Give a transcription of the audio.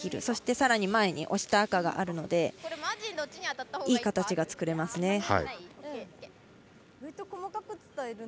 そして、さらに前に押した赤があるのでいい形が作れますね。